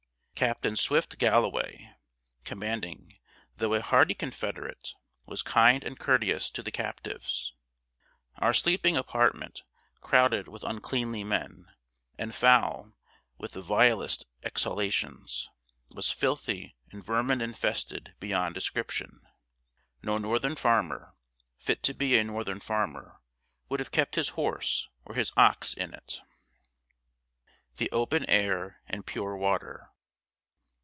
Captain Swift Galloway, commanding, though a hearty Confederate, was kind and courteous to the captives. Our sleeping apartment, crowded with uncleanly men, and foul with the vilest exhalations, was filthy and vermin infested beyond description. No northern farmer, fit to be a northern farmer, would have kept his horse or his ox in it. [Sidenote: THE OPEN AIR AND PURE WATER.